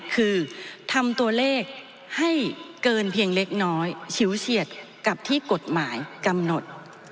คือทำตัวเลขให้เกินเพียงเล็กน้อยฉิวเฉียดกับที่กฎหมายกำหนด